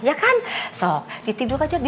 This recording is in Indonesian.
ya kan sok ditidur aja